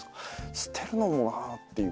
捨てるのもなぁっていう。